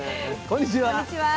こんにちは。